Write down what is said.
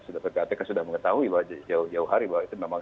nanti akan terungkap